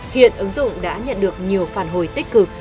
hiện ứng dụng đã nhận được nhiều phản hồi tích cực